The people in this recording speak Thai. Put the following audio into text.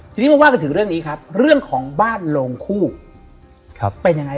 ทีนี้มาว่ากันถึงเรื่องนี้ครับเรื่องของบ้านโลงคู่เป็นยังไง